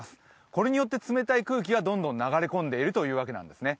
これによって冷たい風が流れ込んでいるというわけなんですね。